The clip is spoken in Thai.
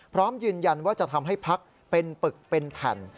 พร้อมยืนยันว่าจะทำให้พักเป็นปึกเป็นแผ่น